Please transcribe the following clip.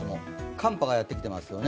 寒波がやってきていますよね。